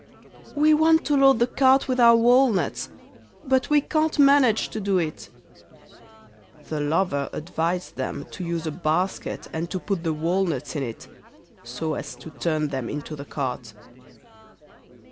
'We want to load the cart with our walnuts, but we can't manage to do it.' The lover advised them to get a basket and to put the walnuts in it, so as to turn them into the cart.